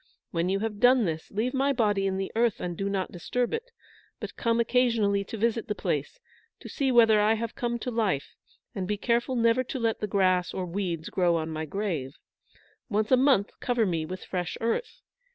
When you have done this, leave my body in the earth, and do not disturb it, but come occasionally to visit the place, to see whether I have come to life, and be careful never to let the grass or weeds grow on my grave. Once a month cover me with fresh earth.